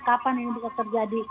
kapan ini bisa terjadi